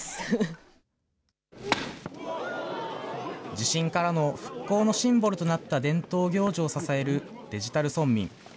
地震からの復興のシンボルとなった伝統行事を支えるデジタル村民。